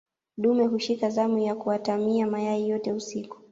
dume hushika zamu ya kuatamia mayai yote usiku